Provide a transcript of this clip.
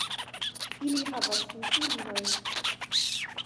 Ili havas du filinojn.